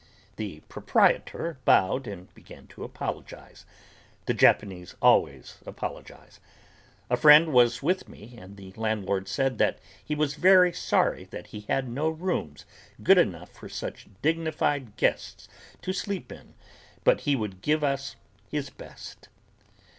The proprietor bowed and began to apologize. The Japanese always apologize. A friend was with me and the landlord said that he was very sorry that he had no rooms good enough for such dignified guests to sleep in, but he would give us his best.